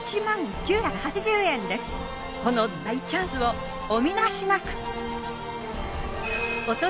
この大チャンスをお見逃しなく！